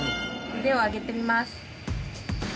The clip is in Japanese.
腕を上げてみます。